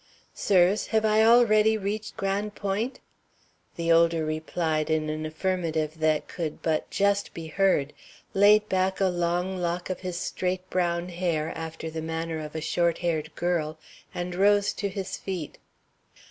"Sirs, have I already reach Gran' Point'?" The older replied in an affirmative that could but just be heard, laid back a long lock of his straight brown hair after the manner of a short haired girl, and rose to his feet.